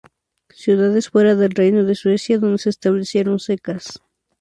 Ciudades fuera del reino de Suecia donde se establecieron cecas.